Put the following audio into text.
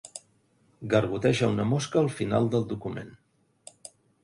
Gargoteja una mosca al final del document.